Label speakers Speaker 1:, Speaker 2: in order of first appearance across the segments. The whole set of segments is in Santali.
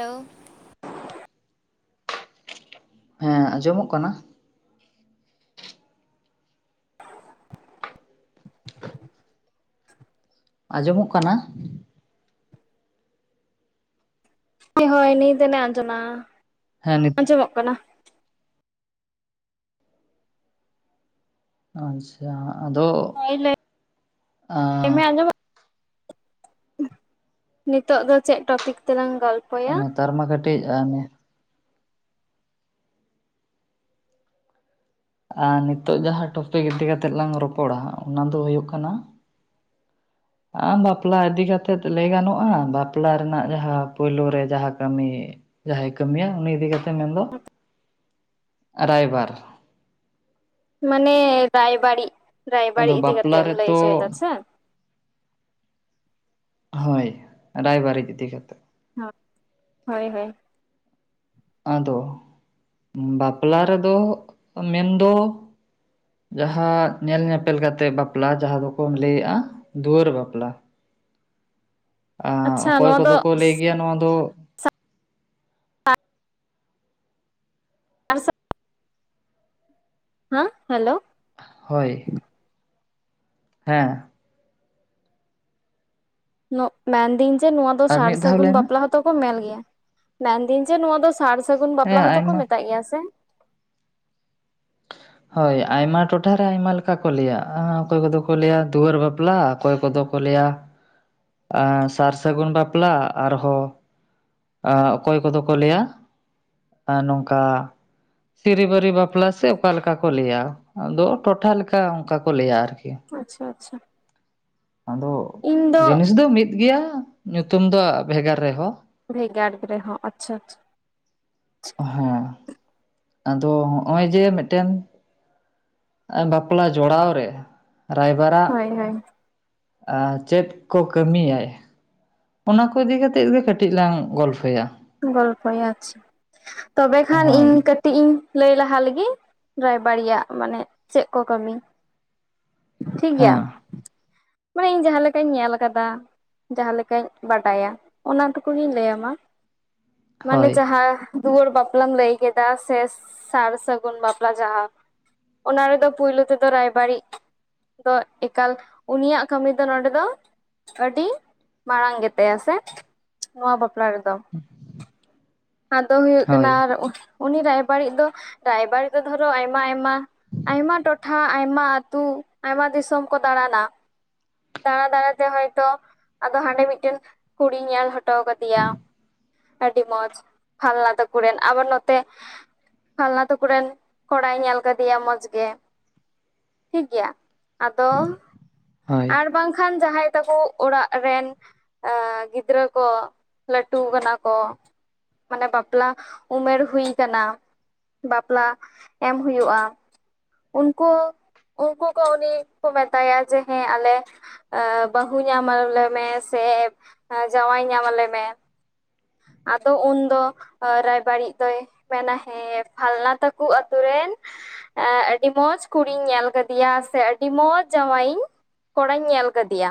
Speaker 1: ᱦᱮᱞᱳ
Speaker 2: ᱦᱮᱸ ᱟᱸᱡᱚᱢᱚᱜ ᱠᱟᱱᱟ? ᱟᱸᱡᱚᱢᱚᱜ ᱠᱟᱱᱟ?
Speaker 1: ᱦᱳᱭ ᱦᱳᱭ ᱱᱤᱛ ᱱᱟ ᱟᱱᱛᱚᱱᱟ᱾
Speaker 2: ᱦᱮᱸ ᱱᱤᱛ
Speaker 1: ᱟᱸᱡᱚᱢᱚᱜ ᱠᱟᱱᱟ᱾
Speaker 2: ᱟᱪᱪᱷᱟ ᱟᱫᱚ
Speaker 1: ᱦᱳᱭ ᱞᱟᱹᱭ ᱢᱮ
Speaker 2: ᱟᱸ
Speaker 1: ᱟᱸᱡᱚᱢ ᱱᱤᱛᱚᱜ ᱫᱚ ᱪᱮᱫ ᱴᱚᱯᱤᱠ ᱛᱮᱞᱟᱝ ᱜᱚᱞᱯ
Speaker 2: ᱱᱮᱛᱟᱨ ᱢᱟ ᱠᱟᱹᱴᱤᱡ ᱚᱱᱮ ᱟ ᱱᱤᱛᱚᱜ ᱡᱟᱦᱟᱸ ᱴᱚᱯᱤᱠ ᱤᱫᱤ ᱠᱟᱛᱮᱜ ᱞᱟᱝ ᱨᱚᱯᱚᱲᱟ ᱚᱱᱟ ᱫᱚ ᱦᱩᱭᱩᱜ ᱠᱟᱱᱟ, ᱵᱟᱯᱞᱟ ᱤᱫᱤ ᱠᱟᱛᱮᱜ ᱞᱟᱹᱭ ᱜᱟᱱᱚᱜᱼᱟ ᱵᱟᱯᱞᱟ ᱨᱮᱱᱟᱜ ᱡᱟᱦᱟᱸ ᱯᱳᱭᱞᱳ ᱨᱮ ᱡᱟᱦᱟᱸ ᱠᱟᱹᱢᱤ ᱡᱟᱦᱟᱸᱭ ᱠᱟᱹᱢᱤᱭᱟ ᱩᱱᱤ ᱤᱫᱤ ᱠᱟᱛᱮᱜ ᱢᱮᱱ ᱫᱚ ᱨᱟᱭᱵᱟᱨ,
Speaker 1: ᱢᱟᱱᱮ ᱨᱟᱭᱵᱟᱨᱤᱡ
Speaker 2: ᱟᱫᱚ
Speaker 1: ᱨᱟᱭᱵᱟᱨᱤᱡ ᱤᱫᱤ ᱠᱟᱛᱮ
Speaker 2: ᱵᱟᱯᱞᱟ
Speaker 1: ᱮᱢ ᱞᱟᱹᱭ
Speaker 2: ᱨᱮᱛᱚ
Speaker 1: ᱚᱪᱚᱭᱮᱫᱟ ᱥᱮ?
Speaker 2: ᱦᱳᱭ ᱨᱟᱭᱵᱟᱨᱤᱡ ᱤᱫᱤ ᱠᱟᱛᱮᱜ᱾
Speaker 1: ᱦᱚᱜ ᱦᱳᱭ ᱦᱳᱭ᱾
Speaker 2: ᱟᱫᱚ ᱵᱟᱯᱞᱟ ᱨᱮᱫᱚ ᱢᱮᱱᱫᱚ᱾ ᱡᱟᱦᱟᱸ ᱧᱮᱞ ᱧᱮᱯᱮᱞ ᱠᱟᱛᱮᱜ ᱵᱟᱯᱞᱟ ᱡᱟᱦᱟᱸ ᱫᱚᱠᱚ ᱞᱟᱹᱭᱮᱜᱼᱟ, ᱫᱩᱣᱟᱹᱨ ᱵᱟᱯᱞᱟ᱾ ᱟ
Speaker 1: ᱟᱪᱪᱷᱟ
Speaker 2: ᱚᱠᱚᱭ
Speaker 1: ᱱᱚᱣᱟ ᱫᱚ
Speaker 2: ᱠᱚᱫᱚ ᱠᱚ ᱞᱟᱹᱭ ᱜᱮᱭᱟ ᱱᱚᱣᱟ ᱫᱚ,
Speaker 1: ᱟᱨ ᱥᱟ ᱦᱮᱸ ᱦᱮᱞᱳ᱾
Speaker 2: ᱦᱳᱭ ᱦᱮᱸ
Speaker 1: ᱢᱮᱱᱫᱟᱹᱧ ᱡᱮ ᱱᱚᱣᱟ ᱫᱚ
Speaker 2: ᱟᱨ
Speaker 1: ᱥᱟᱨ
Speaker 2: ᱢᱤᱫ ᱫᱷᱟᱣ
Speaker 1: ᱥᱟᱹᱜᱩᱱ
Speaker 2: ᱞᱟᱹᱭ ᱢᱮ
Speaker 1: ᱵᱟᱯᱞᱟ ᱦᱚᱸᱛᱚ ᱠᱚ ᱧᱢᱮᱱ ᱜᱮᱭᱟ, ᱢᱮᱱᱫᱟᱹᱧ ᱡᱮ ᱱᱚᱣᱟ ᱫᱚ ᱥᱟᱨ ᱥᱟᱹᱜᱩᱱ ᱵᱟᱯᱞᱟ
Speaker 2: ᱦᱮᱸ
Speaker 1: ᱦᱚᱸᱛᱚ ᱠᱚ
Speaker 2: ᱟᱭᱢᱟ
Speaker 1: ᱢᱮᱛᱟᱜ ᱜᱮᱭᱟ ᱥᱮ?
Speaker 2: [inaudible] ᱦᱳᱭ ᱟᱭᱢᱟ ᱴᱚᱴᱷᱟᱨᱮ ᱟᱭᱢᱟ ᱞᱮᱠᱟ ᱠᱚ ᱞᱟᱹᱭᱟ ᱚᱠᱚᱭ ᱠᱚᱫᱚ ᱠᱚ ᱞᱟᱹᱭᱟ ᱫᱩᱣᱟᱹᱨ ᱵᱟᱯᱞᱟ ᱚᱠᱚᱭ ᱠᱚᱫᱚ ᱠᱚ ᱞᱟᱹᱭᱟ ᱥᱟᱨ ᱥᱟᱹᱜᱩᱱ ᱵᱟᱯᱞᱟ ᱟᱨᱦᱚᱸ ᱚᱠᱚᱭ ᱠᱚᱫᱚ ᱠᱚ ᱞᱟᱹᱭᱟ ᱱᱚᱝᱠᱟ ᱥᱤᱨᱤᱵᱟᱹᱨᱤ ᱵᱟᱯᱞᱟ ᱥᱮ ᱚᱠᱟ ᱞᱮᱠᱟ ᱠᱚ ᱞᱟᱹᱭᱟ ᱟᱫᱚ ᱴᱚᱴᱷᱟ ᱞᱮᱠᱟ ᱚᱱᱠᱟ ᱠᱚ ᱞᱟᱹᱭᱟ ᱟᱨᱠᱤ ᱾
Speaker 1: ᱟᱪᱪᱷᱟ ᱟᱪᱪᱷᱟ
Speaker 2: ᱟᱫᱚ ᱡᱤᱱᱤᱥ ᱫᱚ ᱢᱤᱫ ᱜᱮᱭᱟ ᱧᱩᱛᱩᱢ ᱫᱚ ᱵᱷᱮᱜᱟᱨ ᱨᱮᱦᱚᱸ ᱾
Speaker 1: ᱵᱷᱮᱜᱟᱨ ᱨᱮ ᱦᱚᱸ ᱟᱪᱪᱷᱟ ᱟᱪᱪᱷᱟ
Speaker 2: ᱦᱮᱸ ᱟᱫᱚ ᱦᱚᱜᱼᱚᱭ ᱡᱮ ᱢᱤᱫᱴᱮᱱ ᱵᱟᱯᱞᱟ ᱡᱚᱲᱟᱣ ᱨᱮ ᱨᱟᱭᱵᱟᱨᱟᱜ
Speaker 1: ᱦᱳᱭ ᱦᱳᱭ
Speaker 2: ᱪᱮᱫ ᱠᱚ ᱠᱟᱹᱢᱤᱭᱟᱭ? ᱚᱱᱟ ᱠᱚ ᱤᱫᱤ ᱠᱟ ᱠᱟᱛᱮᱜ ᱜᱮ ᱠᱟᱹᱴᱤᱡ ᱞᱟᱝ ᱜᱚᱞᱯᱚᱭᱟ ᱾
Speaker 1: ᱜᱚᱞᱯᱚᱭᱟ ᱟᱪᱪᱷᱟ ᱛᱚᱵᱮ ᱠᱷᱟᱱ ᱤᱧ
Speaker 2: ᱦᱳᱭ
Speaker 1: ᱠᱟᱹᱴᱤᱡ ᱠᱟᱹᱴᱤᱡ ᱤᱧ ᱞᱟᱹᱭ ᱞᱟᱦᱟ ᱞᱮᱜᱮ ᱨᱟᱭᱵᱟᱨᱤᱡᱼᱟᱜ ᱢᱟᱱᱮ ᱪᱮᱫ ᱠᱚ ᱠᱟᱹᱢᱤ ᱾ ᱴᱷᱤᱠ ᱜᱮᱭᱟ
Speaker 2: ᱦᱮᱸ
Speaker 1: ᱾ ᱢᱟᱱᱮ ᱤᱧ ᱡᱟᱦᱟᱸ ᱞᱮᱠᱟᱧ ᱧᱮᱞ ᱟᱠᱟᱫᱟ ᱡᱟᱦᱟᱸ ᱞᱮᱠᱟᱧ ᱵᱟᱰᱟᱭᱟ ᱚᱱᱟ ᱴᱩᱠᱩ ᱜᱤᱧ ᱞᱟᱹᱭᱟ ᱢᱟ ᱢᱟᱱᱮ
Speaker 2: ᱦᱳᱭ
Speaker 1: ᱡᱟᱦᱟᱸ ᱫᱩᱣᱟᱹᱨ ᱵᱟᱯᱞᱟᱢ ᱞᱟᱹᱭ ᱠᱮᱫᱟ ᱥᱮ ᱥᱟᱨ ᱥᱟᱹᱜᱩᱱ ᱵᱟᱯᱞᱟ ᱡᱟᱦᱟᱸ ᱚᱱᱟ ᱨᱮᱫᱚ ᱯᱩᱭᱞᱩ ᱛᱮᱫᱚ ᱨᱟᱭᱵᱟᱨᱤᱡ ᱫᱚ ᱮᱠᱟᱞ ᱩᱱᱤᱭᱟᱜ ᱠᱟᱹᱢᱤ ᱫᱚ ᱱᱚᱰᱮ ᱫᱚ ᱟᱹᱰᱤ ᱢᱟᱲᱟᱝ ᱜᱮᱛᱟᱭᱟ ᱥᱮ ᱱᱚᱣᱟ ᱵᱟᱯᱞᱟ ᱨᱮᱫᱚ
Speaker 2: ᱦᱮᱸ
Speaker 1: ᱟᱫᱚ ᱦᱩᱭᱩᱜ ᱠᱟᱱᱟ ᱟᱨ ᱩᱱᱤ ᱨᱟᱭᱵᱟᱨᱤᱡ ᱫᱚ ᱨᱟᱭᱵᱟᱨᱤᱡ ᱫᱚ ᱫᱷᱚᱨᱚ ᱟᱭᱢᱟ ᱟᱭᱢᱟ ᱟᱭᱢᱟ ᱴᱚᱴᱷᱟ ᱟᱭᱢᱟ ᱟᱛᱩ ᱟᱭᱢᱟ ᱫᱤᱥᱚᱢ ᱠᱚ ᱫᱟᱬᱟᱱᱟ ᱾ ᱫᱟᱬᱟ ᱫᱟᱲᱟᱛᱮ ᱦᱚᱭᱛᱳ ᱟᱫᱚ ᱦᱟᱸᱰᱮ ᱢᱤᱫᱴᱮᱱ ᱠᱩᱲᱤᱭ ᱧᱮᱞ ᱦᱚᱴᱚ ᱠᱟᱫᱮᱭᱟ ᱟᱹᱰᱤ ᱢᱚᱸᱡᱽ ᱯᱷᱟᱞᱱᱟ ᱛᱟᱠᱚ ᱨᱮᱱ ᱟᱵᱟᱨ ᱱᱚᱛᱮ ᱯᱷᱟᱞᱱᱟ ᱛᱟᱠᱨᱮᱱ ᱠᱚᱲᱟᱭ ᱧᱮᱞ ᱟᱠᱟᱫᱮᱭᱟ ᱢᱚᱸᱡᱽ ᱜᱮ ᱴᱷᱤᱠᱜᱮᱭᱟ ᱟᱫᱚ
Speaker 2: ᱦᱳᱭ
Speaker 1: ᱟᱨ ᱵᱟᱝᱠᱷᱟᱱ ᱡᱟᱦᱟᱸᱭ ᱛᱟᱠᱚ ᱚᱲᱟᱜ ᱨᱮᱱ ᱜᱤᱫᱽᱨᱟᱹ ᱠᱚ ᱞᱟᱹᱴᱩ ᱠᱟᱱᱟ ᱠᱚ ᱢᱟᱱᱮ ᱵᱟᱯᱞᱟ ᱩᱢᱮᱨ ᱦᱩᱭ ᱟᱠᱟᱱᱟ ᱾ ᱵᱟᱯᱞᱟ ᱮᱢ ᱦᱩᱭᱩᱜᱼᱟ ᱩᱱᱠᱩ ᱩᱱᱠᱩ ᱠᱚ ᱩᱱᱤ ᱠᱚ ᱢᱮᱛᱟᱭᱟ ᱡᱮ ᱦᱮᱸ ᱟᱞᱮ ᱵᱟᱹᱦᱩ ᱧᱟᱢᱞᱮᱢᱮ ᱥᱮ ᱡᱟᱶᱟᱭ ᱧᱟᱢ ᱟᱞᱮ ᱢᱮ ᱾ ᱟᱫᱚ ᱩᱱᱫᱚ ᱨᱟᱭᱵᱟᱹᱲᱤᱡ ᱫᱚᱭ ᱢᱮᱱᱟ ᱦᱮᱸ ᱯᱷᱟᱞᱱᱟ ᱛᱟᱠᱚ ᱟᱛᱳ ᱨᱮᱱ ᱟᱹᱰᱤ ᱢᱚᱸᱡᱽ ᱠᱩᱲᱤᱧ ᱧᱮᱞ ᱟᱠᱟᱫᱮᱭᱟ ᱥᱮ ᱟᱹᱰᱤ ᱢᱚᱸᱡᱽ ᱡᱟᱶᱟᱭ ᱤᱧ ᱠᱚᱲᱟᱧ ᱧᱮᱞ ᱟᱠᱟᱫᱮᱭᱟ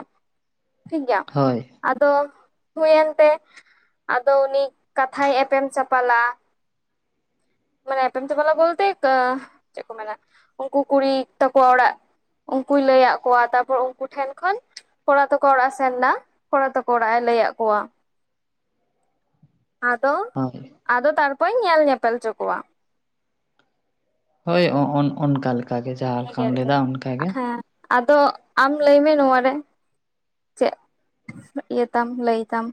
Speaker 1: ᱴᱷᱤᱠᱜᱮᱭᱟ ᱾
Speaker 2: ᱦᱳᱭ
Speaker 1: ᱟᱫᱚ ᱦᱩᱭᱮᱱ ᱛᱮ ᱟᱫᱚ ᱩᱱᱤ ᱠᱟᱛᱷᱟᱭ ᱮᱯᱮᱢ ᱪᱟᱯᱟᱞᱟ ᱾ ᱢᱟᱱᱮ ᱮᱯᱮᱢ ᱪᱟᱯᱞᱟ ᱵᱚᱞᱛᱮ ᱪᱮᱫ ᱠᱚ ᱢᱮᱱᱟ ᱩᱱᱠᱩ ᱠᱩᱲᱤ ᱛᱟᱠᱚᱣᱟ ᱚᱲᱟᱜ ᱩᱱᱠᱩᱭ ᱞᱟᱹᱭ ᱟᱫ ᱠᱚᱣᱟ ᱛᱟᱯᱚᱨᱮ ᱩᱱᱠᱩ ᱴᱷᱮᱱ ᱠᱷᱚᱱ ᱠᱚᱲᱟ ᱛᱟᱠᱚ ᱚᱲᱟᱜ ᱮ ᱥᱮᱱ ᱮᱱᱟ ᱠᱚᱲᱟ ᱛᱟᱠᱚ ᱚᱲᱟᱜ ᱮ ᱞᱟᱹᱭᱟᱫ ᱠᱚᱣᱟ ᱟᱫᱚ
Speaker 2: ᱦᱳᱭ
Speaker 1: ᱟᱫᱚ ᱛᱟᱨᱯᱚᱨᱮᱧ ᱧᱮᱞ ᱧᱮᱯᱮᱞ ᱦᱚᱪᱚ ᱠᱚᱣᱟ
Speaker 2: ᱦᱳᱭ ᱚᱱᱠᱟ ᱞᱮᱠᱟ ᱜᱮ ᱡᱟᱦᱟᱸ
Speaker 1: ᱱᱤᱭᱟᱹᱜᱮ
Speaker 2: ᱞᱮᱠᱟᱢ
Speaker 1: ᱟᱨᱠᱤ
Speaker 2: ᱞᱟᱹᱭᱮᱫᱟ ᱚᱱᱠᱟᱜᱮ ᱾
Speaker 1: ᱦᱮᱸ ᱟᱫᱚ ᱟᱢ ᱞᱟᱹᱭᱢᱮ ᱱᱚᱣᱟ ᱨᱮ ᱪᱮᱫ ᱤᱭᱟᱹ ᱛᱟᱢ ᱞᱟᱹᱭᱤᱛᱟᱢ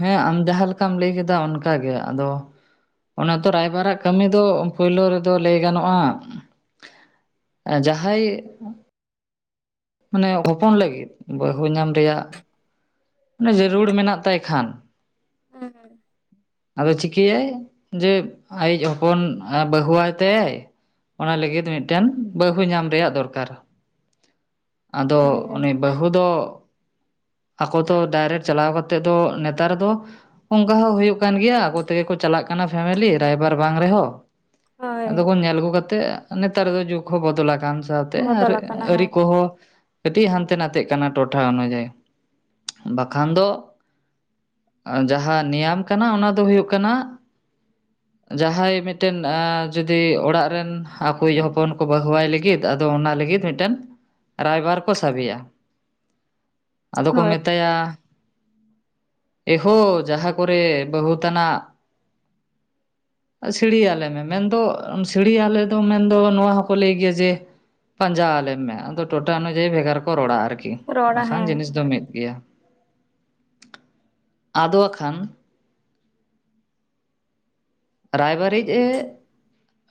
Speaker 2: ᱦᱮᱸ ᱟᱢ ᱡᱟᱦᱟᱸ ᱞᱮᱠᱟᱢ ᱞᱟᱹᱭ ᱠᱮᱫᱟ ᱚᱱᱠᱟ ᱜᱮ ᱟᱫᱚ ᱚᱱᱟ ᱛᱚ ᱨᱟᱭᱵᱟᱨᱟᱜ ᱠᱟᱹᱢᱤ ᱫᱚ ᱯᱳᱭᱞᱳ ᱨᱮᱫᱚ ᱞᱟᱹᱭ ᱜᱟᱱᱚᱜᱼᱟ ᱡᱟᱦᱟᱸᱭ ᱢᱟᱱᱮ ᱦᱚᱯᱚᱱ ᱞᱟᱹᱜᱤᱫ ᱵᱟᱹᱦᱩ ᱧᱟᱢ ᱨᱮᱭᱟᱜ ᱚᱱᱮ ᱡᱟᱹᱨᱩᱲ ᱢᱮᱱᱟᱜ ᱛᱟᱭ ᱠᱷᱟᱱ
Speaker 1: ᱦᱮᱸ ᱦᱮᱸ
Speaker 2: ᱟᱫᱚ ᱪᱤᱠᱟᱹᱭᱟᱭ ᱡᱮ ᱟᱭᱤᱡ ᱦᱚᱯᱚᱱ ᱵᱟᱹᱦᱩᱣᱟᱭ ᱛᱮ ᱚᱱᱟ ᱞᱟᱹᱜᱤᱫ ᱢᱤᱫᱴᱮᱱ ᱵᱟᱹᱦᱩ ᱧᱟᱢ ᱨᱮᱭᱟᱜ ᱫᱚᱨᱠᱟᱨ ᱟᱫᱚ
Speaker 1: ᱦᱳᱭ
Speaker 2: ᱩᱱᱤ ᱵᱟᱹᱦᱩ ᱫᱚ ᱟᱠᱚ ᱫᱚ ᱰᱟᱭᱨᱮᱠᱴ ᱪᱟᱞᱟᱣ ᱠᱟᱛᱮᱜ ᱫᱚ ᱱᱮᱛᱟᱨ ᱫᱚ ᱚᱱᱠᱟ ᱦᱚᱸ ᱦᱳᱭᱳᱜ ᱠᱟᱱ ᱜᱮᱭᱟ ᱟᱠᱚ ᱛᱮᱜᱮ ᱠᱚ ᱪᱟᱞᱟᱜ ᱠᱟᱱᱟ ᱯᱷᱮᱢᱮᱞᱤ ᱨᱟᱭᱵᱟᱨ ᱵᱟᱝ ᱨᱮᱦᱚᱸ
Speaker 1: ᱦᱳᱭ
Speaker 2: ᱟᱫᱚ ᱠᱚ ᱧᱮᱞ ᱟᱹᱜᱩ ᱠᱟᱛᱮᱜ ᱱᱮᱛᱟᱨ ᱫᱚ ᱡᱩᱜ ᱦᱚᱸ ᱵᱚᱫᱚᱞ ᱟᱠᱟᱱ ᱥᱟᱶᱛᱮ ᱟᱨ
Speaker 1: ᱵᱚᱫᱚᱞ ᱟᱠᱟᱱᱟ
Speaker 2: ᱟᱹᱨᱤ
Speaker 1: ᱦᱮᱸ
Speaker 2: ᱠᱚᱦᱚᱸ ᱠᱟᱹᱴᱤᱡ ᱦᱟᱱᱛᱮ ᱱᱟᱛᱮᱜ ᱠᱟᱱᱟ ᱴᱚᱴᱷᱟ ᱚᱱᱩᱡᱟᱭᱤ ᱵᱟᱠᱷᱟᱱ ᱫᱚ ᱡᱟᱦᱟᱸ ᱱᱤᱭᱟᱢ ᱠᱟᱱᱟ ᱚᱱᱟ ᱫᱚ ᱦᱩᱭᱩᱜ ᱠᱟᱱᱟ ᱡᱟᱦᱟᱸᱭ ᱢᱤᱫᱴᱮᱱ ᱡᱩᱫᱤ ᱚᱲᱟᱜ ᱨᱮᱱ ᱟᱠᱚᱭᱤᱡ ᱦᱚᱯᱚᱱ ᱠᱚ ᱵᱟᱹᱦᱩᱣᱟᱭ ᱞᱟᱹᱜᱤᱫ ᱟᱫᱚ ᱚᱱᱟ ᱞᱟᱹᱜᱤᱫ ᱢᱤᱫᱴᱮᱱ ᱨᱟᱭᱵᱟᱨ ᱠᱚ ᱥᱟᱵᱤᱭᱟ ᱟᱫᱚ ᱠᱚ
Speaker 1: ᱦᱳᱭ
Speaker 2: ᱢᱮᱛᱟᱭᱟ ᱮᱦᱳ ᱡᱟᱦᱟᱸ ᱠᱚᱨᱮ ᱵᱟᱹᱦᱩ ᱛᱟᱱᱟᱜ ᱥᱤᱲᱤ ᱭᱟᱞᱮᱢᱮ ᱢᱮᱱᱫᱚ ᱥᱤᱲᱤ ᱟᱞᱮ ᱫᱚ ᱢᱮᱱ ᱫᱚ ᱱᱚᱣᱟ ᱦᱚᱸᱠᱚ ᱞᱟᱹᱭ ᱜᱮᱭᱟ ᱡᱮ ᱯᱟᱸᱡᱟ ᱟᱞᱮ ᱢᱮ ᱴᱚᱴᱟ ᱚᱱᱩ ᱡᱟᱭᱤ ᱵᱷᱮᱜᱟᱨ ᱠᱚ ᱨᱚᱲᱟ ᱟᱨᱠᱤ
Speaker 1: ᱨᱚᱲᱟ
Speaker 2: ᱵᱟᱝᱠᱷᱟᱱ
Speaker 1: ᱦᱮᱸ
Speaker 2: ᱡᱤᱱᱤᱥ ᱫᱚ ᱢᱤᱫ ᱜᱮᱭᱟ ᱟᱫᱚ ᱠᱷᱟᱱ ᱨᱟᱭᱵᱟᱨᱤᱡ ᱮ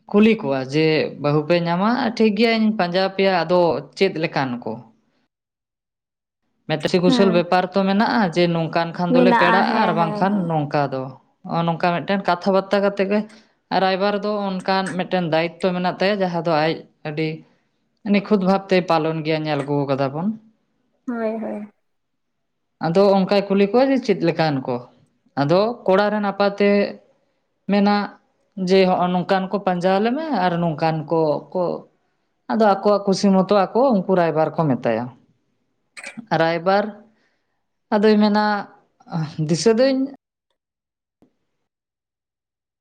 Speaker 2: ᱠᱩᱞᱤ ᱠᱚᱣᱟ ᱡᱮ ᱵᱟᱹᱦᱩ ᱯᱮ ᱧᱟᱢᱟ ᱴᱷᱤᱠ ᱜᱮᱭᱟᱧ ᱯᱟᱸᱡᱟ ᱟᱯᱮᱭᱟ ᱟᱫᱚ ᱪᱮᱫ ᱞᱮᱠᱟᱱ ᱠᱚ [unintelligible] ᱠᱩᱥᱤ ᱠᱩᱥᱚᱞ
Speaker 1: ᱦᱮᱸ
Speaker 2: ᱵᱮᱯᱟᱨ ᱛᱚ ᱢᱮᱱᱟᱜᱼᱟ ᱡᱮ ᱱᱚᱝᱠᱟᱱ ᱠᱷᱟᱱ ᱫᱚᱞᱮ
Speaker 1: ᱢᱮᱱᱟᱜᱼᱟ
Speaker 2: ᱯᱮᱲᱟᱜᱼᱟ ᱟᱨ
Speaker 1: ᱦᱮᱸ ᱦᱮᱸ
Speaker 2: ᱵᱟᱝᱠᱷᱟᱱ
Speaker 1: ᱦᱮᱸ
Speaker 2: ᱱᱚᱝᱠᱟ [unintelligible] ᱱᱚᱜᱼᱚᱭ ᱱᱚᱝᱠᱟ ᱢᱤᱫ ᱴᱮᱱ ᱠᱟᱛᱷᱟ ᱵᱟᱛᱟ ᱠᱟᱛᱮᱜ ᱜᱮ ᱨᱟᱭᱵᱟᱨ ᱫᱚ ᱚᱱᱠᱟᱱ ᱢᱤᱫ ᱴᱮᱱ ᱫᱟᱭᱤᱛᱛᱚ ᱢᱮᱱᱟᱜ ᱛᱟᱭᱟ ᱡᱟᱦᱟ ᱫᱚ ᱟᱡ ᱟᱹᱰᱤ ᱱᱤᱠᱷᱩᱛ ᱵᱷᱟᱵᱽ ᱛᱮ ᱯᱟᱞᱚᱱ ᱜᱮᱭᱟ ᱧᱮᱞ ᱟᱹᱜᱩ ᱟᱠᱟᱫᱟ ᱵᱚᱱ
Speaker 1: ᱦᱳᱭ ᱦᱳᱭ
Speaker 2: ᱟᱫᱚ ᱚᱱᱠᱟᱭ ᱠᱩᱞᱤ ᱠᱚᱣᱟ ᱡᱮ ᱪᱮᱫ ᱞᱮᱠᱟᱱ ᱠᱚ ᱟᱫᱚ ᱠᱚᱲᱟ ᱨᱮᱱ ᱟᱯᱟᱛᱮ ᱢᱮᱱᱟᱜ ᱡᱮ ᱦᱚᱜᱼᱚᱭ ᱱᱚᱝᱠᱟᱱ ᱠᱚ ᱯᱟᱸᱡᱟ ᱟᱞᱮ ᱢᱮ ᱟᱨ ᱱᱚᱝᱠᱟᱱ ᱠᱚ ᱠᱚ ᱟᱫᱚ ᱟᱠᱚᱣᱟᱜ ᱠᱩᱥᱤ ᱢᱚᱛᱚ ᱟᱠᱚ ᱩᱱᱠᱩ ᱨᱟᱭᱵᱟᱨ ᱠᱚ ᱢᱮᱛᱟᱭᱟ ᱨᱟᱭᱵᱟᱨ ᱟᱫᱚᱭ ᱢᱮᱱᱟ ᱫᱤᱥᱟᱹ ᱫᱚᱧ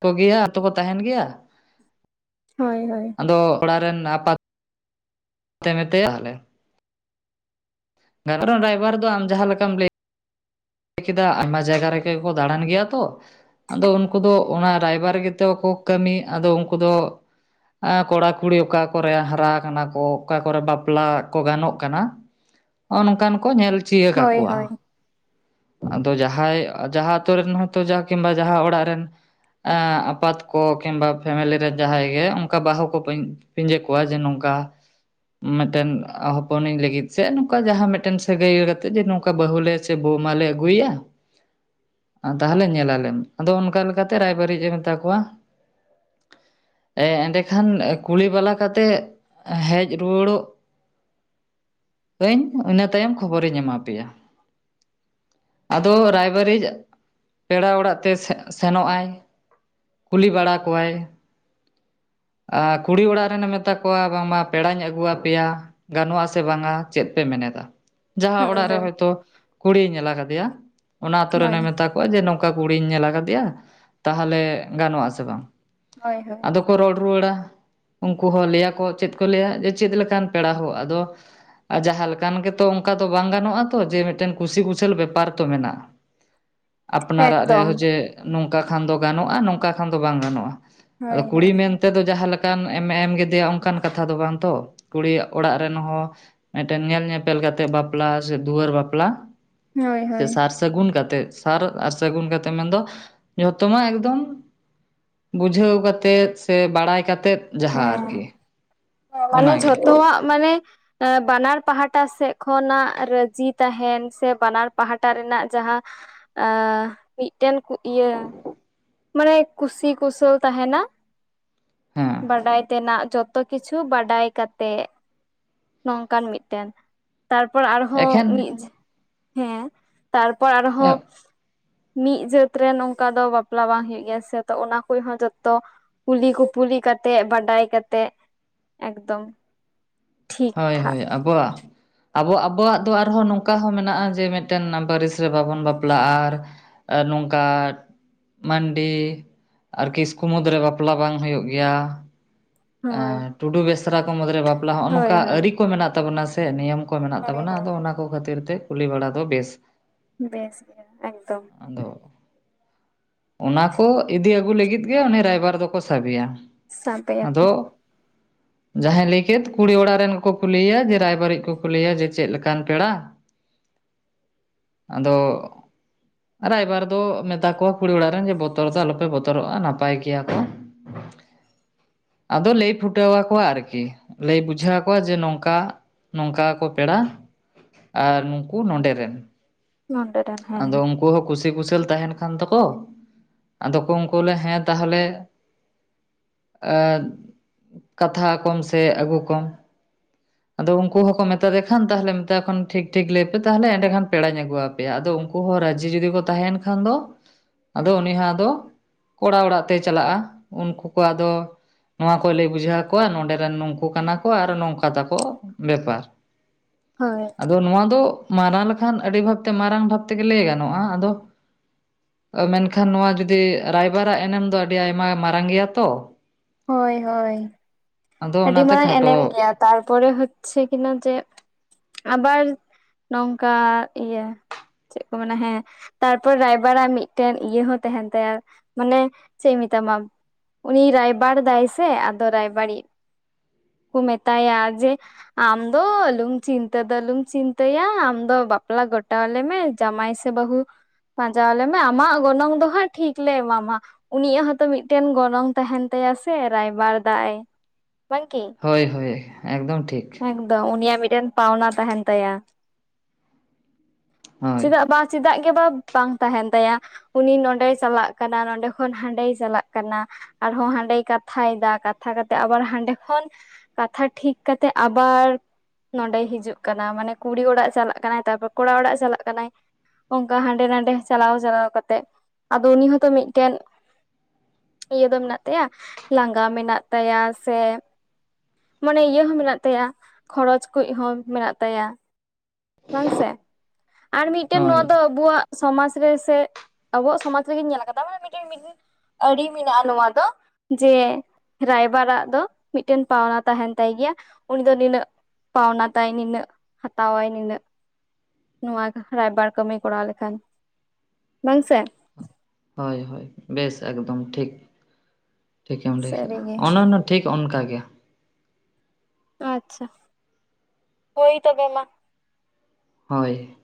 Speaker 2: ᱠᱚᱜᱮᱭᱟ [unintelligible] ᱛᱟᱦᱮᱱ ᱜᱮᱭᱟ
Speaker 1: ᱦᱳᱭ ᱦᱳᱭ
Speaker 2: ᱟᱫᱚ [unintelligible] ᱨᱮᱱ ᱟᱯᱟᱛ ᱢᱮᱛᱟᱭᱟ [unintelligible] ᱨᱟᱭᱵᱷᱟᱨ ᱫᱚ ᱟᱢ ᱡᱟᱸᱦᱟ ᱞᱮᱠᱟᱢ ᱞᱟᱹᱭ ᱠᱮᱫᱟ ᱟᱭᱢᱟ ᱡᱟᱭᱜᱟ ᱨᱮᱜᱮ ᱠᱚ ᱫᱟᱲᱟᱱ ᱜᱮᱭᱟ ᱛᱚ ᱟᱫᱚ ᱩᱱᱠᱩ ᱫᱚ ᱚᱱᱟ ᱨᱟᱭᱵᱟᱨ ᱜᱮ ᱛᱚ ᱠᱚ ᱠᱟᱹᱢᱤ ᱟᱫᱚ ᱩᱱᱠᱩ ᱫᱚ ᱠᱚᱲᱟ ᱠᱩᱲᱤ ᱚᱠᱟ ᱠᱚᱨᱮ ᱦᱟᱨᱟ ᱠᱟᱱᱟ ᱠᱚ ᱚᱠᱟ ᱠᱚᱨᱮ ᱵᱟᱯᱞᱟ ᱠᱚ ᱜᱟᱱᱚᱜ ᱠᱟᱱᱟ ᱱᱚᱜᱼᱚ ᱱᱚᱝᱠᱟᱱ ᱠᱚ ᱧᱮᱞ ᱪᱤᱭᱟᱹ
Speaker 1: ᱦᱳᱭ
Speaker 2: ᱠᱟᱠᱚᱣᱟ
Speaker 1: ᱦᱳᱭ
Speaker 2: ᱟᱫᱚ ᱡᱟᱦᱟᱸᱭ ᱡᱟᱸᱦᱟ ᱟᱹᱛᱩ ᱨᱮᱱ ᱦᱚᱭ ᱛᱚ ᱠᱤᱝ ᱵᱟ ᱡᱟᱸᱦᱟ ᱚᱲᱟᱜ ᱨᱮᱱ ᱟᱯᱟᱛ ᱠᱚ ᱠᱤᱝ ᱵᱟ ᱯᱷᱮᱢᱮᱞᱤ ᱨᱮ ᱡᱟᱦᱟᱸᱭ ᱜᱮ ᱚᱱᱠᱟ ᱵᱟᱹᱦᱩ ᱠᱚ [unintelligible] ᱠᱚᱣᱟ ᱡᱮ ᱱᱚᱝᱠᱟ ᱢᱤᱫ ᱴᱮᱱ ᱦᱚᱯᱚᱱ ᱱᱤᱧ ᱞᱟᱹᱜᱤᱫ ᱥᱮ ᱱᱚᱝᱠᱟ ᱡᱟᱦᱟᱸ ᱢᱤᱫ ᱴᱮᱱ ᱥᱟᱹᱜᱟᱹᱭ ᱠᱟᱛᱮᱜ ᱡᱮ ᱱᱚᱝᱠᱟ ᱵᱟᱹᱦᱩ ᱞᱮ ᱥᱮ ᱢᱟᱞᱮ ᱟᱹᱜᱩᱭᱟ ᱛᱟᱦᱚᱞᱮ ᱧᱮᱞ ᱟᱞᱮᱢ ᱟᱫᱚ ᱚᱱᱠᱟ ᱞᱮᱠᱟᱛᱮ ᱨᱟᱭᱵᱟᱨᱤᱡ ᱮ ᱢᱮᱛᱟ ᱠᱚᱣᱟ ᱮᱸᱰᱮᱠᱷᱟᱱ [unintelligible] ᱠᱟᱛᱮ ᱦᱮᱡ ᱨᱩᱣᱟᱹᱲᱚᱜ [unintelligible] ᱤᱱᱟᱹ ᱛᱟᱭᱚᱢ ᱠᱷᱚᱵᱚᱨ ᱤᱧ ᱮᱢᱟ ᱯᱮᱭᱟ ᱟᱫᱚ ᱨᱟᱭᱵᱟᱨᱤᱡ ᱯᱮᱲᱟ ᱚᱲᱟᱜ ᱛᱮ ᱥᱮᱱᱚᱜ ᱟᱭ ᱠᱩᱞᱤ ᱵᱟᱲᱟ ᱠᱚᱣᱟᱭ ᱟᱨ ᱠᱩᱲᱤ ᱚᱲᱟᱜ ᱨᱮᱱᱮ ᱢᱮᱛᱟ ᱠᱚᱣᱟ ᱵᱟᱝ ᱢᱟ ᱯᱮᱲᱟᱹᱧ ᱟᱹᱜᱩ ᱟᱯᱮ ᱭᱟ ᱜᱟᱱᱚᱜ-ᱟ ᱥᱮ ᱵᱟᱝᱟ ᱪᱮᱫ ᱯᱮ ᱢᱮᱱ ᱮᱫᱟ
Speaker 1: ᱦᱳᱭ
Speaker 2: ᱡᱟᱸᱦᱟ ᱚᱲᱟᱜ ᱨᱮ
Speaker 1: ᱦᱳᱭ
Speaker 2: ᱦᱚᱭ ᱛᱚ ᱠᱩᱲᱤᱭ ᱧᱮᱞ ᱠᱟᱫᱮᱭᱟ ᱚᱱᱟ ᱟᱹᱛᱳ ᱨᱮᱱᱮ
Speaker 1: ᱦᱳᱭ
Speaker 2: ᱢᱮᱛᱟ [unintelligible] ᱡᱮ ᱱᱚᱝᱠᱟ ᱠᱩᱲᱤᱧ ᱧᱮᱞ ᱟᱠᱟᱫᱮᱭᱟ ᱛᱟᱦᱚᱞᱮ ᱜᱟᱱᱚᱜ ᱟᱥᱮ ᱵᱟᱝ
Speaker 1: ᱦᱳᱭ ᱦᱳᱭ
Speaker 2: ᱟᱫᱚ ᱠᱚ ᱨᱚᱲ ᱨᱩᱣᱟᱹᱲᱟ ᱩᱱᱠᱩ ᱦᱚᱸ ᱞᱟᱹᱭ ᱟᱠᱚ ᱪᱮᱫ ᱠᱚ ᱞᱟᱹᱭᱼᱟ ᱪᱮᱫ ᱞᱮᱠᱟᱱ ᱯᱮᱲᱟ ᱦᱳ ᱟᱫᱚ ᱟᱨ ᱡᱟᱸᱦᱟ ᱞᱮᱠᱟᱱ ᱜᱮᱛᱚ ᱚᱱᱠᱟ ᱫᱚ ᱵᱟᱝ ᱜᱟᱱᱚᱜᱼᱟ ᱛᱚ ᱡᱮ ᱢᱤᱫ ᱴᱮᱱ ᱠᱩᱥᱤ ᱠᱩᱥᱟᱹᱞ ᱵᱮᱯᱟᱨ ᱛᱚ ᱢᱮᱱᱟᱜᱼᱟ ᱟᱯᱱᱟᱨᱟᱜ
Speaker 1: ᱮᱠᱫᱚᱢ
Speaker 2: ᱨᱮᱦᱚ ᱡᱮ ᱱᱚᱝᱠᱟ ᱠᱷᱟᱱ ᱫᱚ ᱜᱟᱱᱚᱜᱼᱟ ᱱᱚᱝᱠᱟ ᱠᱷᱟᱱ ᱫᱚ ᱵᱟᱝ ᱜᱟᱱᱚᱜᱼᱟ ᱟᱫᱚ
Speaker 1: ᱦᱳᱭ ᱦᱳᱭ
Speaker 2: ᱠᱩᱲᱤ ᱢᱮᱱ [unintelligible] ᱫᱚ ᱡᱟᱦᱟᱸ ᱞᱮᱠᱟᱱ ᱮᱢ ᱮᱢ ᱠᱮᱫᱮᱭᱟ ᱚᱱᱠᱟᱱ ᱠᱟᱛᱷᱟ ᱫᱚ ᱵᱟᱝ ᱛᱚ ᱠᱩᱲᱤ ᱚᱲᱟᱜ ᱨᱮᱱ ᱦᱚᱸ ᱢᱤᱫ ᱴᱮᱱ ᱧᱮᱞ ᱧᱮᱯᱮᱞ ᱠᱟᱛᱮᱜ ᱵᱟᱯᱞᱟ ᱥᱮ ᱫᱩᱣᱟᱹᱨ ᱵᱟᱯᱞᱟ
Speaker 1: ᱦᱳᱭ
Speaker 2: ᱥᱮ
Speaker 1: ᱦᱳᱭ
Speaker 2: ᱥᱟᱨ ᱥᱟᱹᱜᱩᱱ ᱠᱟᱛᱮᱫ ᱥᱟᱨ ᱟᱨ ᱥᱟᱹᱜᱩᱱ ᱠᱟᱛᱮ ᱢᱮᱱ ᱫᱚ ᱡᱚᱛᱚ ᱣᱟᱜ ᱮᱠᱫᱚᱢ ᱵᱩᱡᱷᱟᱹᱣ ᱠᱟᱛᱮᱫ ᱥᱮ ᱵᱟᱲᱟᱭ ᱠᱟᱛᱮᱫ ᱡᱟᱸᱦᱟ ᱟᱨᱠᱤ
Speaker 1: ᱦᱮᱸ ᱢᱟᱱᱮ
Speaker 2: ᱚᱱᱟᱜᱮ
Speaker 1: ᱡᱷᱚᱛᱚᱣᱟᱜ ᱢᱟᱱᱮ ᱵᱟᱱᱟᱨ ᱯᱟᱦᱟᱴᱟ ᱥᱮᱫ ᱠᱷᱚᱱᱟᱜ ᱨᱟᱹᱡᱤ ᱛᱟᱦᱮᱱ ᱥᱮ ᱵᱟᱱᱟᱨ ᱯᱟᱦᱟᱴᱟ ᱨᱮᱱᱟᱜ ᱡᱟᱦᱟᱸ ᱟᱻ ᱢᱤᱫ ᱴᱮᱱ ᱤᱭᱟᱹ ᱢᱟᱱᱮ ᱠᱩᱥᱤ ᱠᱩᱥᱟᱹᱞ ᱛᱟᱦᱮᱱᱟ
Speaker 2: ᱦᱮᱸ
Speaker 1: ᱵᱟᱰᱟᱭ ᱛᱮᱱᱟᱜ ᱡᱚᱛᱚ ᱡᱚᱛᱚ ᱠᱤᱪᱷᱩ ᱵᱟᱰᱟᱭ ᱠᱟᱛᱮᱜ ᱱᱚᱝᱠᱟᱱ ᱢᱤᱫ ᱴᱮᱱ ᱛᱟᱨᱯᱚᱨ ᱟᱨᱦᱚᱸ
Speaker 2: ᱮᱠᱷᱮᱱ
Speaker 1: ᱢᱤᱫ ᱦᱮᱸ ᱛᱟᱨᱯᱚᱨ ᱟᱨᱦᱚᱸ ᱢᱤᱫ ᱡᱟᱹᱛ ᱨᱮᱱ ᱚᱝᱠᱟ ᱫᱚ ᱵᱟ ᱵᱟᱯᱞᱟ ᱵᱟᱝ ᱦᱩᱭᱩᱜ ᱜᱮᱭᱟ ᱥᱮ ᱛᱚ ᱚᱱᱟ ᱠᱚ ᱦᱚᱸ ᱡᱚᱛᱚ ᱠᱩᱞᱤ ᱠᱩᱯᱩᱞᱤ ᱠᱟᱛᱮᱜ ᱵᱟᱰᱟᱭ ᱠᱟᱛᱮᱜ ᱮᱠᱫᱚᱢ ᱴᱷᱤᱠ
Speaker 2: ᱦᱳᱭ
Speaker 1: ᱴᱷᱟᱠ
Speaker 2: ᱦᱳᱭ ᱟᱵᱚᱣᱟᱜ ᱟᱵᱚ ᱟᱵᱚᱣᱟᱜ ᱫᱚ ᱟᱨᱦᱚᱸ ᱱᱚᱝᱠᱟ ᱦᱚᱸ ᱢᱮᱱᱟᱜᱼᱟ ᱡᱮ ᱢᱤᱫᱴᱮᱱ ᱯᱟᱹᱨᱤᱥ ᱨᱮ ᱵᱟᱵᱚᱱ ᱵᱟᱯᱞᱟᱜᱼᱟ ᱟᱨ ᱟᱨ ᱱᱚᱝᱠᱟ ᱢᱟᱱᱰᱤ ᱟᱨ ᱠᱤᱥᱠᱩ ᱢᱩᱫᱽᱨᱮ ᱵᱟᱯᱞᱟ ᱵᱟᱝ ᱦᱩᱭᱩᱜ ᱜᱮᱭᱟ
Speaker 1: ᱦᱳᱭ
Speaker 2: ᱴᱩᱰᱩ ᱵᱮᱥᱨᱟ ᱠᱚ ᱢᱩᱨᱮ ᱵᱟᱯᱞᱟ ᱦᱚᱸᱜᱼᱚ
Speaker 1: ᱦᱳᱭ
Speaker 2: ᱱᱚᱝᱠᱟ
Speaker 1: ᱦᱳᱭ
Speaker 2: ᱟᱹᱨᱤ ᱠᱚ ᱢᱮᱱᱟᱜ ᱛᱟᱵᱚᱱᱟ ᱥᱮ [unintelligible] ᱱᱤᱭᱚᱢ ᱠᱚ ᱢᱮᱱᱟᱜ
Speaker 1: ᱦᱳᱭ
Speaker 2: ᱛᱟᱵᱚᱱᱟ
Speaker 1: ᱦᱳᱭ
Speaker 2: ᱟᱫᱚ ᱚᱱᱟ ᱠᱚ ᱠᱷᱟᱹᱛᱤᱨ ᱛᱮ ᱠᱩᱞᱤ ᱵᱟᱲᱟ ᱫᱚ ᱵᱮᱥ
Speaker 1: ᱵᱮᱥ ᱜᱮ ᱮᱠᱫᱚᱢ
Speaker 2: ᱟᱫᱚ ᱚᱱᱟ ᱠᱚ ᱤᱫᱤ ᱟᱹᱜᱩ ᱞᱟᱹᱜᱤᱫ ᱜᱮ ᱩᱱᱤ ᱨᱟᱭᱵᱟᱨ ᱫᱚᱠᱚ ᱥᱟᱵᱮᱭᱟ
Speaker 1: ᱥᱟᱵ
Speaker 2: ᱟᱫᱚ ᱡᱟᱦᱟᱸᱭ ᱞᱟᱹᱭ ᱠᱮᱫ ᱠᱩᱲᱤ ᱚᱲᱟᱜ ᱨᱮᱱ ᱠᱚ ᱠᱩᱞᱤ ᱮᱭᱟ ᱡᱮ ᱨᱟᱭᱵᱟᱨᱤᱡ ᱠᱚ ᱠᱩᱞᱤ ᱮᱭᱟ ᱡᱮ ᱪᱮᱫ ᱞᱮᱠᱟᱱ ᱯᱮᱲᱟ [inaudible] ᱟᱫᱚ ᱨᱟᱭᱵᱟᱨ ᱫᱚ ᱢᱮᱛᱟ ᱠᱚᱣᱟ ᱠᱩᱲᱤ ᱚᱲᱟᱜ ᱨᱮᱱ ᱵᱚᱛᱚᱨ ᱫᱚ ᱟᱞᱚᱯᱮ ᱵᱚᱛᱚᱨᱚᱜᱼᱟ ᱱᱟᱯᱟᱭ ᱜᱮᱭᱟ ᱠᱚ ᱟᱫᱚ ᱞᱟᱹᱭ ᱯᱷᱩᱴᱟᱹᱣ ᱟᱠᱚᱣᱟ ᱟᱨᱠᱤ ᱞᱟᱹᱭ ᱵᱩᱡᱷᱟᱹᱣ ᱟᱠᱚᱣᱟ ᱡᱮ ᱱᱚᱝᱠᱟ ᱱᱚᱝᱠᱟ ᱠᱚ ᱯᱮᱲᱟ ᱟᱨ ᱱᱩᱠᱩ ᱱᱚᱰᱮ ᱨᱮᱱ
Speaker 1: ᱱᱚᱰᱮ ᱨᱮᱱ
Speaker 2: ᱟᱫᱚ ᱩᱱᱠᱩ ᱦᱚᱸ ᱠᱩᱥᱤ ᱠᱩᱥᱟᱹᱞ ᱛᱟᱦᱮᱸᱱ ᱠᱷᱟᱱ ᱛᱟᱠᱚ ᱟᱫᱚ ᱠᱚ ᱩᱱᱠᱩ ᱞᱮ ᱦᱮᱸ ᱛᱟᱦᱚᱞᱮ ᱠᱟᱛᱷᱟ ᱠᱚᱢ ᱥᱮ ᱟᱹᱜᱩ ᱠᱚᱢ ᱟᱫᱚ ᱩᱱᱠᱩ ᱦᱚᱸᱠᱚ ᱢᱮᱛᱟ ᱫᱮ ᱠᱷᱟᱱ ᱛᱟᱦᱚᱞᱮ ᱢᱮᱛᱟ ᱠᱚ ᱠᱷᱟᱱ ᱴᱷᱤᱠ ᱴᱷᱤᱠ ᱞᱟᱹᱭ ᱯᱮ ᱛᱟᱦᱞᱮ ᱮᱸᱰᱮᱠᱷᱟᱱ ᱯᱮᱲᱟᱧ ᱟᱹᱜᱩᱣᱟᱯᱮ ᱟᱫᱚ ᱩᱱᱠᱩ ᱦᱚᱸ ᱨᱟᱡᱤ ᱡᱚᱫᱤ ᱠᱚ ᱛᱟᱦᱮᱸᱱ ᱠᱷᱟᱱ ᱫᱚ ᱟᱫᱚ ᱩᱱᱤ ᱦᱚᱸ ᱟᱫᱚ ᱠᱚᱲᱟ ᱚᱲᱟᱜ ᱛᱮ ᱪᱟᱞᱟᱜᱼᱟ ᱩᱱᱠᱩ ᱠᱚ ᱟᱫᱚ ᱱᱚᱣᱟ ᱠᱚᱛ ᱞᱟᱹᱭ ᱵᱩᱡᱷᱟᱹᱣ ᱟᱠᱚᱣᱟ ᱱᱚᱰᱮ ᱨᱮᱱ ᱱᱩᱠᱩ ᱠᱟᱱᱟ ᱠᱚ ᱟᱨ ᱱᱚᱝᱠᱟ ᱛᱟᱠᱚ ᱵᱮᱯᱟᱨ [inaudible]
Speaker 1: ᱦᱳᱭ
Speaker 2: ᱟᱫᱚ ᱱᱚᱣᱟ ᱫᱚ ᱢᱟᱨᱟᱝ ᱞᱮᱠᱷᱟᱱ ᱟᱹᱰᱤ ᱵᱷᱟᱵᱛᱮ ᱢᱟᱨᱟᱝ ᱵᱷᱟᱵ ᱛᱮᱜᱮ ᱞᱟᱹᱭ ᱜᱟᱱᱚᱜᱼᱟ ᱟᱫᱚ ᱢᱮᱱᱠᱷᱟᱱ ᱱᱚᱣᱟ ᱡᱩᱫᱤ ᱨᱟᱭᱵᱟᱨᱟᱜ ᱮᱱᱮᱢ ᱫᱚ ᱟᱹᱰᱤ ᱟᱭᱢᱟ ᱢᱟᱨᱟᱝ ᱜᱮᱭᱟ ᱛᱚ
Speaker 1: ᱦᱳᱭ ᱦᱳᱭ
Speaker 2: ᱟᱫᱚ
Speaker 1: ᱟᱹᱰᱤ
Speaker 2: ᱚᱱᱟᱛᱮ
Speaker 1: ᱢᱟᱨᱟᱝ
Speaker 2: ᱠᱷᱟᱴᱚ
Speaker 1: ᱮᱱᱮᱢ ᱜᱮᱭᱟ ᱛᱟᱨᱯᱚᱨᱮ ᱦᱚᱪᱪᱷᱮ ᱠᱤᱱᱟ ᱡᱮ ᱟᱵᱟᱨ ᱱᱚᱝᱠᱟ ᱤᱭᱟᱹ ᱪᱮᱫ ᱠᱚ ᱢᱮᱱᱟ ᱦᱮᱸ ᱛᱟᱨᱯᱚᱨ ᱨᱟᱭᱵᱟᱨᱟᱜ ᱢᱤᱫᱴᱮᱱ ᱤᱭᱟᱹ ᱦᱚᱸ ᱛᱟᱦᱮᱸᱱ ᱛᱟᱭᱟ ᱢᱟᱱᱮ ᱪᱮᱫ ᱤᱧ ᱢᱮᱛᱟᱢᱟ ᱩᱱᱤ ᱨᱟᱭᱵᱟᱨ ᱫᱟᱭ ᱥᱮ ᱟᱫᱚ ᱨᱟᱭᱵᱟᱨᱤᱡ ᱠᱚ ᱢᱮᱛᱟᱭᱟ ᱡᱮ ᱟᱢ ᱫᱚ ᱟᱞᱚᱢ ᱪᱤᱱᱛᱟᱹ ᱫᱚ ᱟᱞᱚᱢ ᱪᱤᱱᱛᱟᱹᱭᱟ ᱟᱢ ᱫᱚ ᱵᱟᱯᱞᱟ ᱜᱚᱴᱟᱣ ᱟᱞᱮᱢᱮ ᱡᱟᱢᱟᱭ ᱥᱮ ᱵᱟᱹᱦᱩ ᱯᱟᱸᱡᱟ ᱟᱞᱮ ᱢᱮ ᱟᱢᱟᱜ ᱜᱚᱱᱚᱝ ᱫᱚ ᱦᱟᱸᱜ ᱴᱷᱤᱠ ᱞᱮ ᱮᱢᱟ ᱢᱟ ᱩᱱᱤᱭᱟᱜ ᱦᱚᱸᱛᱚ ᱢᱤᱫᱴᱮᱱ ᱜᱚᱱᱚᱝ ᱛᱟᱦᱮᱸᱱ ᱛᱟᱭᱟ ᱥᱮ ᱨᱟᱭᱵᱟᱨ ᱫᱟᱭ ᱵᱟᱝᱠᱤ
Speaker 2: ᱦᱳᱭ ᱦᱳᱭ ᱮᱠᱫᱚᱢ ᱴᱷᱤᱠ
Speaker 1: ᱩᱱᱤᱭᱟᱜ ᱢᱤᱫᱴᱮᱱ ᱯᱟᱣᱱᱟ ᱛᱟᱦᱮᱸᱱ ᱛᱟᱭᱟ
Speaker 2: ᱦᱳᱭ
Speaker 1: ᱪᱮᱫᱟᱜ ᱵᱟᱝ ᱪᱮᱫᱟᱜ ᱜᱮ ᱵᱟ ᱵᱟᱝ ᱛᱟᱦᱮᱸᱱ ᱛᱟᱭᱟ ᱩᱱᱤ ᱱᱚᱸᱰᱮᱭ ᱪᱟᱞᱟᱜ ᱠᱟᱱᱟ ᱱᱚᱰᱮ ᱠᱷᱚᱱ ᱦᱟᱸᱰᱮᱭ ᱪᱟᱞᱟᱜ ᱠᱟᱱᱟ ᱟᱨᱦᱚᱸᱭ ᱦᱟᱸᱰᱮᱭ ᱠᱟᱛᱷᱟᱭ ᱮᱫᱟ ᱠᱟᱛᱷᱟ ᱠᱟᱛᱮᱜ ᱟᱵᱟᱨ ᱦᱟ ᱮᱠᱷᱚᱱ ᱠᱟᱛᱷᱟ ᱴᱷᱤᱠ ᱠᱟᱛᱮ ᱟᱵᱟᱨ ᱱᱚᱸᱰᱮᱭ ᱦᱤᱡᱩᱜ ᱠᱟᱱᱟ ᱢᱟᱱᱮ ᱠᱩᱲᱤ ᱚᱲᱟᱜ ᱪᱟᱞᱟᱜ ᱠᱟᱱᱟᱭ ᱛᱟᱨᱯᱚᱨ ᱠᱚᱲᱟ ᱚᱲᱟᱜ ᱪᱟᱞᱟᱜ ᱠᱟᱱᱟᱭ ᱚᱱᱠᱟ ᱦᱟᱸᱰᱮ ᱱᱟᱰᱮ ᱪᱟᱞᱟᱣ ᱪᱟᱞᱟᱣ ᱠᱟᱛᱮᱜ ᱟᱫᱚ ᱩᱱᱤ ᱦᱚᱸᱛᱚ ᱢᱤᱫᱴᱮᱱ ᱤᱭᱟᱹ ᱫᱚ ᱢᱮᱱᱟᱜ ᱛᱟᱭᱟ ᱞᱟᱸᱜᱟ ᱢᱮᱱᱟᱜ ᱛᱟᱭᱟ ᱥᱮ ᱢᱟᱱᱮ ᱤᱭᱟᱹ ᱦᱚᱸ ᱢᱮᱱᱟᱜ ᱛᱟᱭᱟ ᱠᱷᱚᱨᱚᱪ ᱠᱩᱦᱚᱸ ᱢᱮᱱᱟᱜ ᱛᱟᱭᱟ ᱵᱟᱝᱥᱮ ᱟᱨ ᱢᱤᱫᱴᱮᱱ
Speaker 2: ᱦᱳᱭ
Speaker 1: ᱱᱚᱣᱟ ᱫᱚ ᱟᱵᱩᱣᱟᱜ ᱥᱚᱢᱟᱡ ᱨᱮ ᱥᱮ ᱟᱵᱚᱣᱟᱜ ᱥᱚᱢᱟᱡᱽ ᱨᱮᱜᱮᱧ ᱧᱮᱞ ᱟᱠᱟᱫᱟ ᱢᱟᱱᱮ ᱢᱤᱫᱴᱮᱱ ᱢᱤᱫ ᱫᱤᱱ ᱟᱹᱨᱤ ᱢᱮᱱᱟᱜᱼᱟ ᱱᱚᱣᱟ ᱫᱚ ᱡᱮ ᱨᱟᱭᱵᱟᱨᱟᱜ ᱫᱚ ᱢᱤᱫᱴᱮᱱ ᱯᱟᱣᱱᱟ ᱛᱟᱦᱮᱱ ᱛᱟᱭ ᱜᱮᱭᱟ ᱩᱱᱤ ᱫᱚ ᱱᱤᱱᱟᱹᱜ ᱯᱟᱣᱱᱟ ᱛᱟᱭᱟᱭ ᱱᱤᱱᱟ. ᱜ ᱦᱟᱛᱟᱣᱟᱭ ᱱᱤᱱᱟ. ᱜ ᱱᱚᱣᱟ ᱨᱟᱭᱵᱟᱨ ᱠᱟᱹᱢᱤᱭ ᱠᱚᱨᱟᱣ ᱞᱮᱠᱷᱟᱱ ᱵᱟᱝ ᱥᱮ
Speaker 2: ᱦᱳᱭ ᱦᱳᱭ ᱵᱮᱥ ᱮᱠᱫᱚᱢ ᱴᱷᱤᱠ ᱴᱷᱤᱠᱮᱢ ᱞᱟᱹᱭ ᱠᱟᱜ
Speaker 1: ᱥᱟᱹᱨᱤᱜᱮ
Speaker 2: ᱚᱱᱟᱱᱟ ᱴᱷᱤᱠ ᱚᱱᱠᱟ ᱜᱮ
Speaker 1: ᱟᱪᱪᱷᱟ ᱦᱳᱭ ᱛᱚᱵᱮ ᱢᱟ
Speaker 2: ᱦᱳᱭ